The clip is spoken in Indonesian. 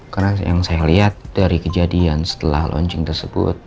karena yang saya lihat dari kejadian setelah launching tersebut